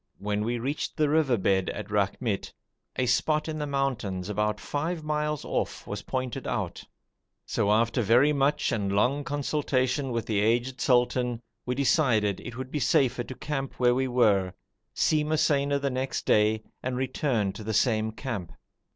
When we reached the river bed at Rakhmit, a spot in the mountains about five miles off was pointed out; so after very much and long consultation with the aged sultan, we decided it would be safer to camp where we were, see Mosaina next day, and return to the same camp.